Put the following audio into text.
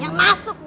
yang masuk dong